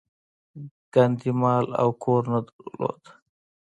ګاندي مال او کور نه درلود.